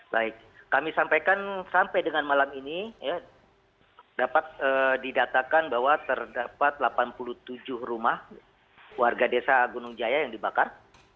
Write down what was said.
baik kami sampaikan sampai dengan malam ini dapat didatakan bahwa terdapat delapan puluh tujuh rumah warga desa gunung jaya yang dibakar